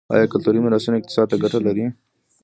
آیا کلتوري میراثونه اقتصاد ته ګټه لري؟